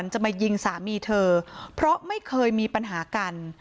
จะมายิงสามีเธอเพราะไม่เคยมีปัญหากัน